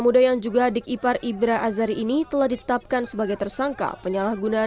muda yang juga adik ipar ibra azari ini telah ditetapkan sebagai tersangka penyalahgunaan